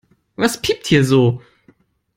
Was piept hier so?